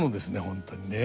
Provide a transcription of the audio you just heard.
本当にね。